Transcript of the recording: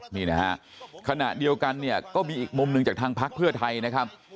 นี่นะฮะขณะเดียวกันเนี่ยก็มีอีกมุมหนึ่งจากทางพักเพื่อไทยนะครับ